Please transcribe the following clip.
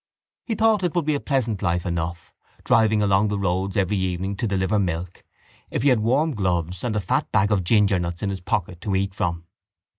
He thought it should be a pleasant life enough, driving along the roads every evening to deliver milk, if he had warm gloves and a fat bag of gingernuts in his pocket to eat from.